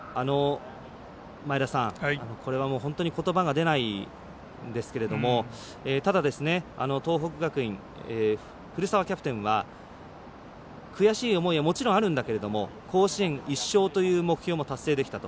前田さん、これは本当にことばが出ないんですけどもただ東北学院、古澤キャプテンは悔しい思いはもちろんあるんだけれども甲子園１勝という目標も達成できたと。